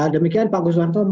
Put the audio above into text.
demikian pak guswanto